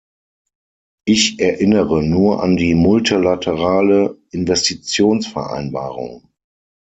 Ich erinnere nur an die multilaterale Investitionsvereinbarung.